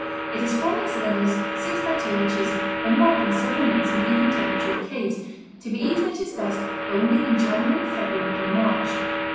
It is formed in cylinders, six by two inches, and ripened several months in the even temperature of caves, to be eaten at its best only in January, February and March.